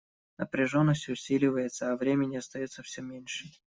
Напряженность усиливается, а времени остается все меньше.